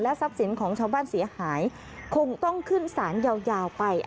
ทรัพย์สินของชาวบ้านเสียหายคงต้องขึ้นสารยาวไป